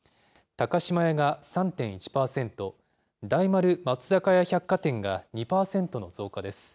高島屋が３．１％、大丸松坂屋百貨店が２％の増加です。